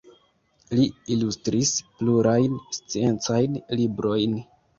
Li ilustris plurajn sciencajn librojn.